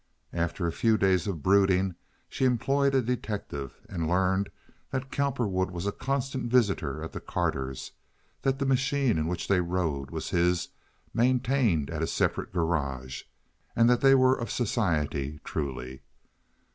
After a few days of brooding she employed a detective, and learned that Cowperwood was a constant visitor at the Carters', that the machine in which they rode was his maintained at a separate garage, and that they were of society truly.